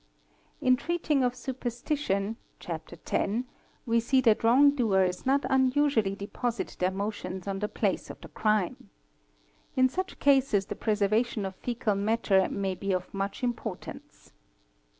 Bt que Py 194 THE MICROSCOPIST In treating of superstition (Chapter X) we see that wrong doers not unusually deposit their motions on the place of the crime. In such cases the preservation of foecal matter may be of much importance.